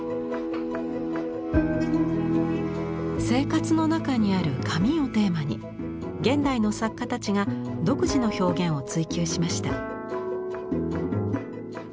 生活の中にある「紙」をテーマに現代の作家たちが独自の表現を追求しました。